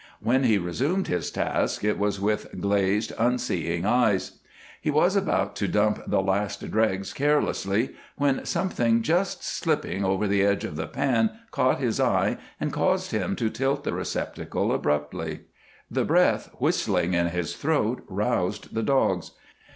When he resumed his task it was with glazed, unseeing eyes. He was about to dump the last dregs carelessly when something just slipping over the edge of the pan caught his eye and caused him to tilt the receptacle abruptly. The breath whistling in his throat roused the dogs.